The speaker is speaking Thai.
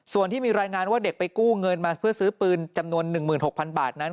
ส่วนที่มีรายงานว่าเด็กไปกู้เงินมาเพื่อซื้อปืนจำนวน๑๖๐๐๐บาทนั้น